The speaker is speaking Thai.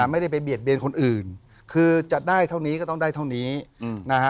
ไม่ได้ไปเบียดเบียนคนอื่นคือจะได้เท่านี้ก็ต้องได้เท่านี้นะฮะ